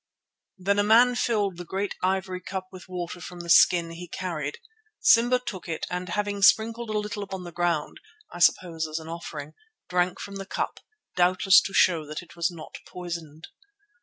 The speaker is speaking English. Then a man filled the great ivory cup with water from the skin he carried. Simba took it and having sprinkled a little upon the ground, I suppose as an offering, drank from the cup, doubtless to show that it was not poisoned.